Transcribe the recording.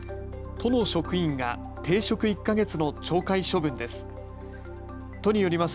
都の職員が停職１か月の懲戒処分です。